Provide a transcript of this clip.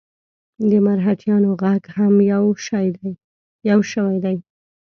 د مرهټیانو ږغ هم یو شوی دی.